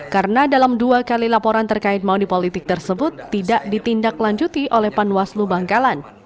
karena dalam dua kali laporan terkait money politik tersebut tidak ditindaklanjuti oleh panwaslu bangkalan